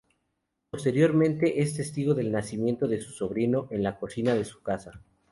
Posteriormente es testigo del nacimiento de su sobrino en la cocina de su casa.